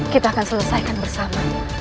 kita akan selesaikan bersama